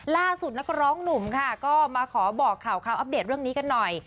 นักร้องหนุ่มค่ะก็มาขอบอกข่าวอัปเดตเรื่องนี้กันหน่อย